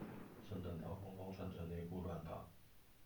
聖誕老公公，穿著內褲亂跑